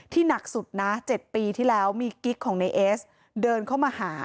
หนักสุดนะ๗ปีที่แล้วมีกิ๊กของในเอสเดินเข้ามาหา